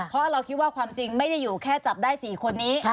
เพราะเราคิดว่าความจริงไม่ได้อยู่แค่จับได้๔คนนี้